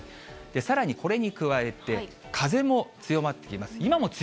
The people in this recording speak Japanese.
さらにこれに加えて、風も強まっています。